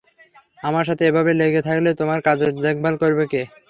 আমার সাথে এভাবে লেগে থাকলে তোমার কাজের দেখভাল কে করবে?